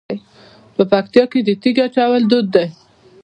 په پکتیا کې د تیږې اچول دود دی.